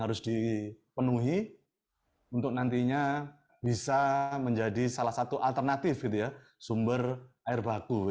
harus dipenuhi untuk nantinya bisa menjadi salah satu alternatif sumber air baku tentu ada apa